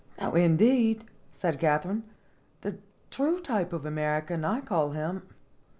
"No, indeed," said Katharine; "the true type of an American I call him."